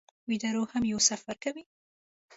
ویده روح هم یو سفر کوي